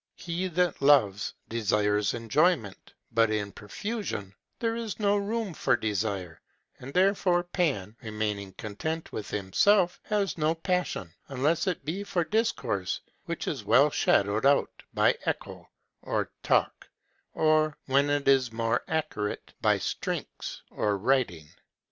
He that loves, desires enjoyment, but in profusion there is no room for desire; and therefore Pan, remaining content with himself, has no passion unless it be for discourse, which is well shadowed out by Echo, or talk, or, when it is more accurate, by Syrinx, or writing.